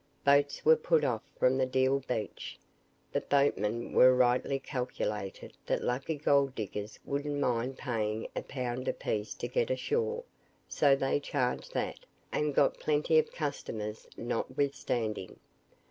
Boats were put off from the Deal beach. The boatmen there rightly calculated that lucky gold diggers wouldn't mind paying a pound a piece to get ashore, so they charged that, and got plenty of customers notwithstanding.